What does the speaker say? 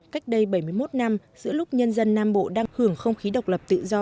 cách đây bảy mươi một năm giữa lúc nhân dân nam bộ đang hưởng không khí độc lập tự do